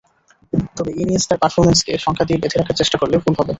তবে ইনিয়েস্তার পারফরম্যান্সকে সংখ্যা দিয়ে বেঁধে রাখার চেষ্টা করলে ভুল হবে।